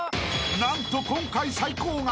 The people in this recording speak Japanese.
［何と今回最高額！